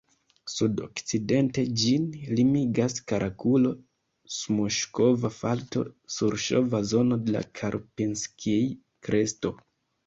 Sud-okcidente ĝin limigas Karakulo-Smuŝkova falto-surŝova zono de la Karpinskij-kresto.